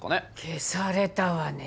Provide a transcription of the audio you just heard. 消されたわね。